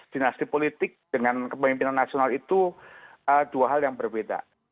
dinasti politik dengan kepemimpinan nasional itu dua hal yang berbeda